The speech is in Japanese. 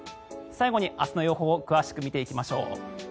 最後に明日の予報を詳しく見ていきましょう。